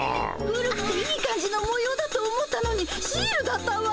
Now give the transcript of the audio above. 古くていい感じのもようだとおもったのにシールだったわ。